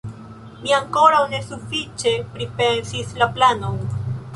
Mi ankoraŭ ne sufiĉe pripensis la planon.